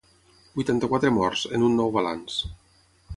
Vuitanta-quatre morts, en un nou balanç.